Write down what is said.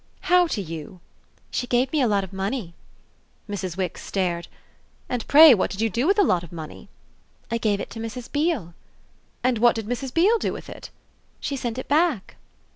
"How, to you?" "She gave me a lot of money." Mrs. Wix stared. "And pray what did you do with a lot of money?" "I gave it to Mrs. Beale." "And what did Mrs. Beale do with it?" "She sent it back."